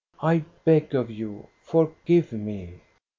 I beg of you, forgive me